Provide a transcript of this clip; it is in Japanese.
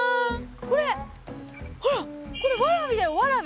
これほら。